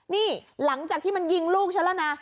นี่หลังจากที่มันยิงลูกฉันแล้วนะ